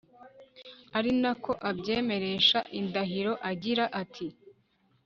ari na ko abyemeresha indahiro agira ati